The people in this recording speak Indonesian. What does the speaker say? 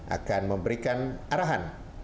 akan memberikan arahan